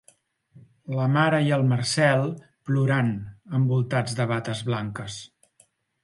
La mare i el Marcel plorant, envoltats de bates blanques.